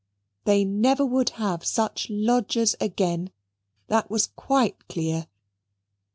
They never would have such lodgers again, that was quite clear.